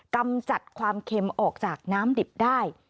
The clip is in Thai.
กำจัดความเค็มออกจากน้ำดิบได้